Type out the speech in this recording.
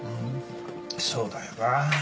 そうだよな。